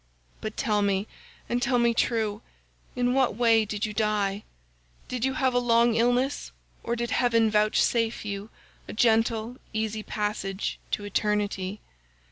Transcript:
But tell me, and tell me true, in what way did you die? Did you have a long illness, or did heaven vouchsafe you a gentle easy passage to eternity?